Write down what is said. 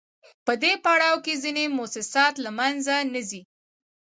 په دې پړاو کې ځینې موسسات له منځه نه ځي